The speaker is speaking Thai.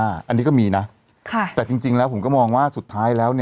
อันนี้ก็มีนะแต่จริงแล้วผมก็มองว่าสุดท้ายแล้ว